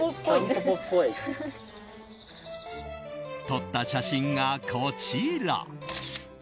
撮った写真がこちら。